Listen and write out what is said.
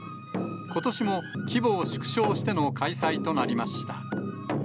ことしも規模を縮小しての開催となりました。